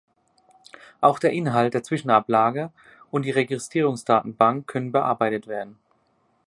Auch der Inhalt der Zwischenablage und die Registrierungsdatenbank können bearbeitet werden.